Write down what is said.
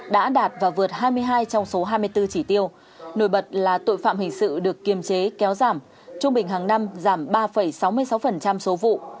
đã đạt và vượt hai mươi hai trong số hai mươi bốn chỉ tiêu nổi bật là tội phạm hình sự được kiềm chế kéo giảm trung bình hàng năm giảm ba sáu mươi sáu số vụ